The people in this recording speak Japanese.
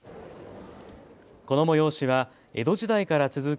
この催しは江戸時代から続く